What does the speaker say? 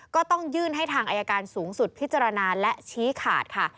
ก็ต้องยื่นให้ทางอายการสูงสุดพิจารณาและชี้ขาดค่ะ